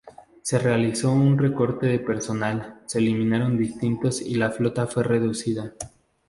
Se realizó un recorte de personal, se eliminaron destinos y la flota fue reducida.